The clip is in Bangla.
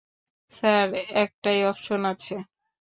স্যার, একটাই অপশন আছে।